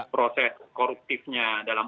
proses korupsinya dalam